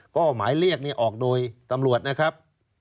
ก็หมายเรียกนี้ออกโดยตำรวจนะครับ